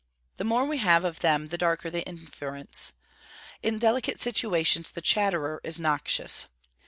The more we have of them the darker the inference. In delicate situations the chatterer is noxious.